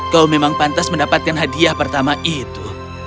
kau memang pantas mendapatkan hadiah pertama itu